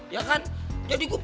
ya kan jadi gue